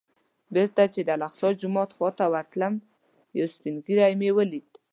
بېرته چې د الاقصی جومات خوا ته راتلم یو سپین ږیری مې ولید.